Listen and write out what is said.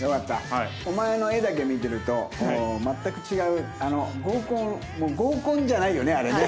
お前の画だけ見てると全く違う合コン合コンじゃないよねあれね。